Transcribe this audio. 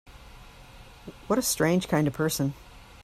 What a strange kind of person!